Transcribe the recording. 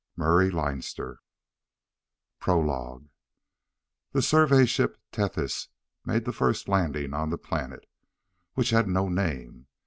Murray Leinster PROLOGUE The Survey Ship Tethys made the first landing on the planet, which had no name.